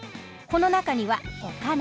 この中にはお金。